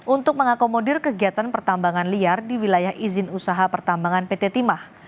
untuk mengakomodir kegiatan pertambangan liar di wilayah izin usaha pertambangan pt timah